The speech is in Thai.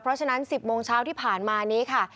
เพราะฉะนั้น๑๐โมงเช้าที่ผ่านมานี้ค่ะ